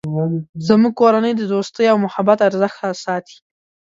زموږ کورنۍ د دوستۍ او محبت ارزښت ساتی